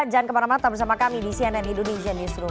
jangan kemana mana tetap bersama kami di cnn indonesian newsroom